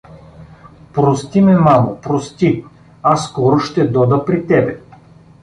Прости ме, мамо, прости, аз скоро ще дода при тебе!